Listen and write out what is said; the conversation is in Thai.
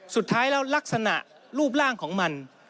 สุดท้ายแล้วลักษณะรูปร่างของมัน